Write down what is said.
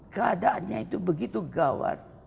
keadaannya itu begitu gawat